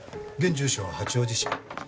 現住所は八王子市。